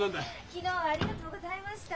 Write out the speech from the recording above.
昨日はありがとうございました。